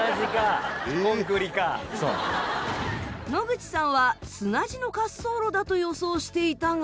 野口さんは砂地の滑走路だと予想していたが。